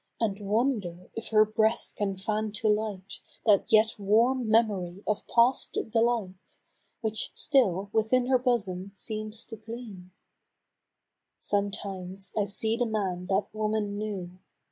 And wonder if her breath can fan to light That yet warm memory of past delight Which still within her bosom seems to gleam. Sometimes I see the man that woman knew.